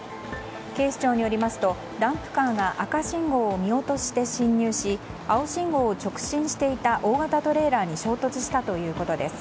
警視庁によりますとダンプカーが赤信号を見落として進入し青信号を直進していた大型トレーラーに衝突したということです。